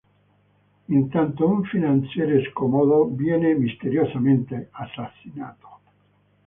Intanto un finanziere scomodo viene misteriosamente assassinato.